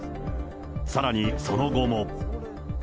さらにその後も。